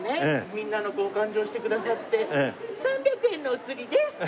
みんなのお勘定してくださって「３００円のお釣りです」って。